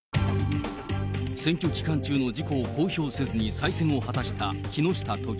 選挙期間中の事故を公表せずに再選を果たした木下都議。